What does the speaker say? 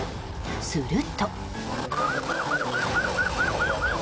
すると。